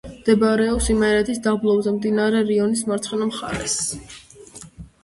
მდებარეობს იმერეთის დაბლობზე, მდინარე რიონის მარცხენა მხარეს.